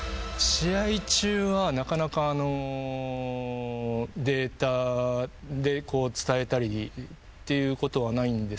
試合中はなかなかデータで伝えたりっていうことはないんですけど